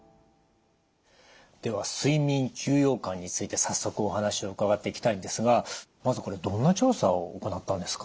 では睡眠休養感について早速お話を伺っていきたいんですがまずこれどんな調査を行ったんですか？